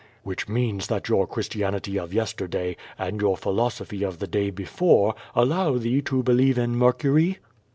^' "Which means that your Christianity of yesterday, and your philosophy of the day before, allow thee to believe in Mercury?"